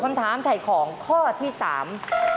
เท่านั่นไข่ของข้อที่สาม